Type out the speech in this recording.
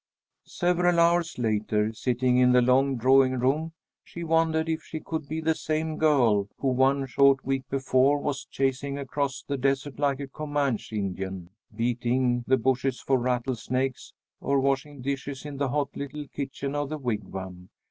Several hours later, sitting in the long drawing room, she wondered if she could be the same girl who one short week before was chasing across the desert like a Comanche Indian, beating the bushes for rattlesnakes, or washing dishes in the hot little kitchen of the Wigwam.